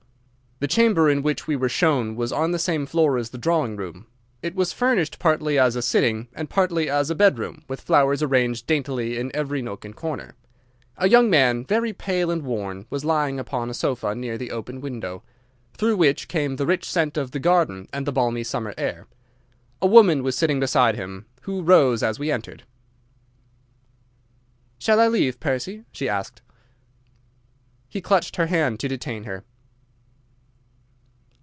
The chamber in which we were shown was on the same floor as the drawing room. It was furnished partly as a sitting and partly as a bedroom, with flowers arranged daintily in every nook and corner. A young man, very pale and worn, was lying upon a sofa near the open window, through which came the rich scent of the garden and the balmy summer air. A woman was sitting beside him, who rose as we entered. "Shall I leave, Percy?" she asked. He clutched her hand to detain her.